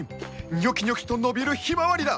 ニョキニョキと伸びるヒマワリだ！